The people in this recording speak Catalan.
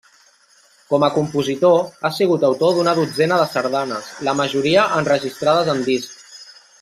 Com a compositor, ha sigut autor d'una dotzena de sardanes, la majoria enregistrades en disc.